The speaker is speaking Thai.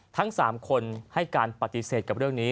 ทั้ง๓คนให้การปฏิเสธกับเรื่องนี้